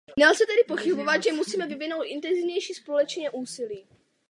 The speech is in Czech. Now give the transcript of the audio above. Nelze tedy pochybovat, že musíme vyvinout intenzivnější společné úsilí.